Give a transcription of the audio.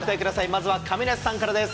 まずは亀梨さんからです。